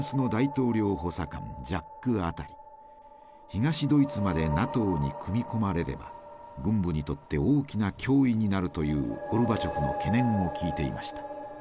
東ドイツまでＮＡＴＯに組み込まれれば軍部にとって大きな脅威になるというゴルバチョフの懸念を聞いていました。